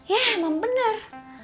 yah emang bener